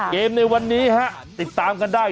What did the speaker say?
ในวันนี้ฮะติดตามกันได้